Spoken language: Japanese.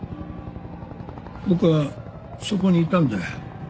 僕はそこにいたんだよ。